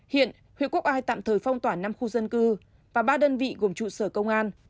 hiện huyện quốc ai tạm thời phong tỏa năm khu dân cư và ba đơn vị gồm trụ sở công an